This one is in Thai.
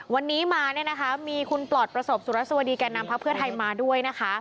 วันนี้มามีคุณปลอดประสบสุรสวดีแกนำพักเพื่อไทยมาด้วย